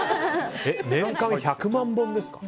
年間１００万本ですか？